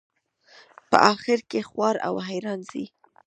په آخر کې خوار او حیران ځي.